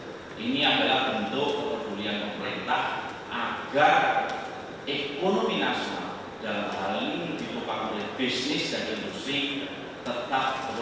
dalam hal ini dikepanggulai bisnis dan industri tetap terus berjalan dengan sangat kokoh